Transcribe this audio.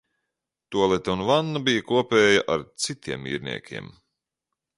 Tualete un vanna bija kopēja ar citiem īrniekiem.